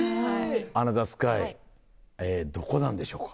アナザースカイどこなんでしょうか？